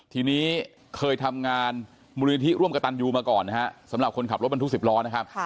ทีนี้เคยทำงานมูลนิธิร่วมกับตันยูมาก่อนนะฮะสำหรับคนขับรถบรรทุก๑๐ล้อนะครับ